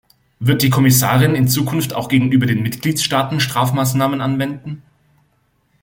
Wird die Kommissarin in Zukunft auch gegenüber den Mitgliedstaaten Strafmaßnahmen anwenden?